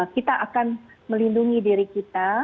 kita akan melindungi diri kita